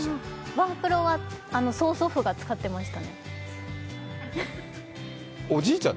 ワープロは曽祖父が使ってました。